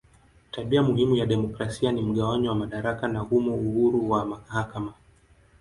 Tabia muhimu ya demokrasia ni mgawanyo wa madaraka na humo uhuru wa mahakama.